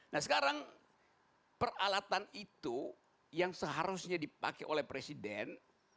nah sekarang peralatan itu yang seharusnya dipakai oleh presiden